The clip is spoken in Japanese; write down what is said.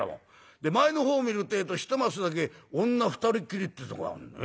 で前のほう見るってえと一升だけ女二人っきりってとこがあるんだ。